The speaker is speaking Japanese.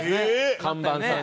看板さんに。